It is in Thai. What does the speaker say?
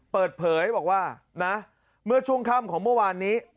เปิดเผยบอกว่านะเมื่อช่วงค่ำของเมื่อวานนี้